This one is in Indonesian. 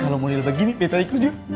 kalo mau liat begini betta ikut yuk